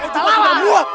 saya juga setara buah